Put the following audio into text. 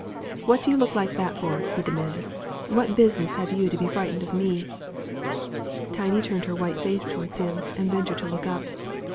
"What do yer look like that for?" he demanded; "what business have you to be frightened of me?" Tiny turned her white face towards him, and ventured to look up.